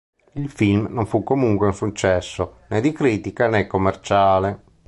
Il film non fu comunque un successo né di critica né commerciale.